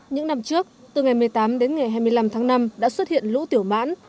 những năm trước từ ngày một mươi tám đến ngày hai mươi năm tháng năm đã xuất hiện lũ tiểu mãn